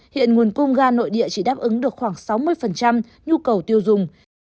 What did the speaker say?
hiện nguồn cung ga nội địa chỉ đáp ứng được khoảng sáu mươi nhu cầu tiêu dùng